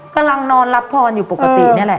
กำลังนอนรับพรอยู่ปกตินี่แหละ